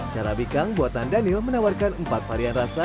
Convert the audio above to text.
carabica buatan daniel menawarkan empat varian rasa